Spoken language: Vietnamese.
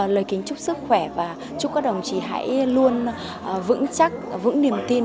lời kính chúc sức khỏe và chúc các đồng chí hãy luôn vững chắc vững niềm tin